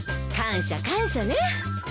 感謝感謝ね。